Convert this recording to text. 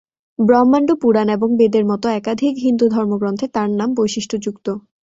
ব্রহ্মাণ্ড পুরাণ এবং বেদের মতো একাধিক হিন্দু ধর্মগ্রন্থে তাঁর নাম বৈশিষ্ট্যযুক্ত।